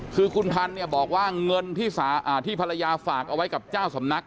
คือคุณพันธุ์เนี่ยบอกว่าเงินที่ภรรยาฝากเอาไว้กับเจ้าสำนัก